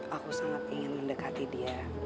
aku sangat ingin mendekati dia